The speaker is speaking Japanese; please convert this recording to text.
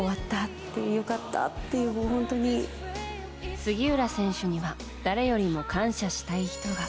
杉浦選手には誰よりも感謝したい人が。